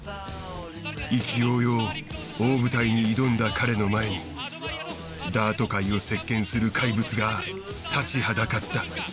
意気揚々大舞台に挑んだ彼の前にダート界を席巻する怪物が立ちはだかった。